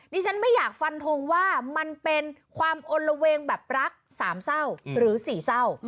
ฉันไม่อยากฟันทงว่ามันเป็นความอลละเวงแบบรักสามเศร้าหรือสี่เศร้า